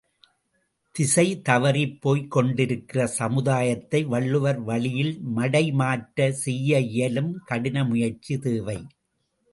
திசை தவறிப் போய்க் கொண்டிருக்கிற சமுதாயத்தை வள்ளுவர் வழியில் மடை மாற்ற செய்ய இயலும், கடின முயற்சி தேவை.